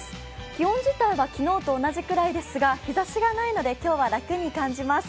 気温自体は昨日と同じくらいですが、日ざしがないので今日は楽に感じます。